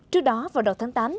trước đó vào đầu tháng tám